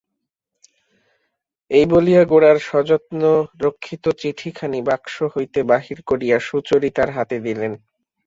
এই বলিয়া গোরার সযত্নরক্ষিত চিঠিখানি বাক্স হইতে বাহির করিয়া সুচরিতার হাতে দিলেন।